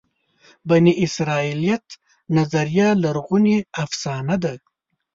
بني اسرائیلیت نظریه لرغونې افسانه ده.